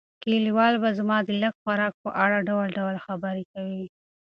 کلیوال به زما د لږ خوراک په اړه ډول ډول خبرې کوي.